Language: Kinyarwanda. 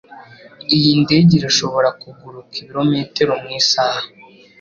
Iyi ndege irashobora kuguruka ibirometero mu isaha.